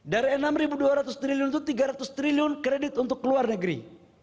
dari rp enam dua ratus triliun itu tiga ratus triliun kredit untuk luar negeri